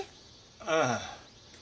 ああ。